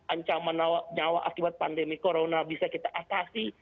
ancaman nyawa akibat pandemi corona bisa kita atasi